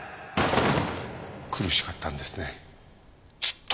苦しかったんですねずっと。